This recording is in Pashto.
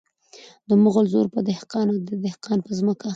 د مغل زور په دهقان د دهقان په ځمکه .